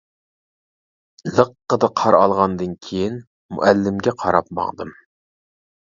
لىققىدە قار ئالغاندىن كېيىن، مۇئەللىمگە قاراپ ماڭدىم.